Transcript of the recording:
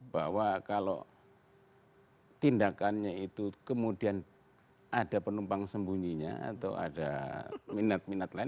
bahwa kalau tindakannya itu kemudian ada penumpang sembunyinya atau ada minat minat lain